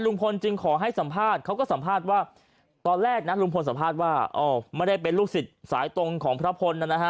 จึงขอให้สัมภาษณ์เขาก็สัมภาษณ์ว่าตอนแรกนะลุงพลสัมภาษณ์ว่าไม่ได้เป็นลูกศิษย์สายตรงของพระพลนะฮะ